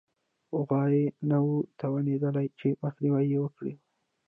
غوی نه وو توانېدلي چې مخنیوی یې وکړي